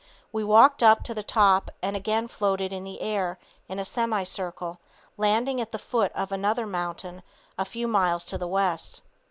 We walked up to the top and again floated in the air in a semi circle, landing at the foot of another mountain a few miles to the west.